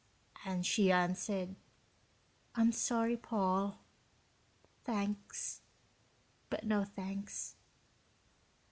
and she answered, "I'm sorry, Paul thanks, but no thanks."